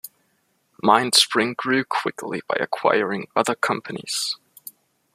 MindSpring grew quickly by acquiring other companies.